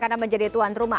karena menjadi tuan rumah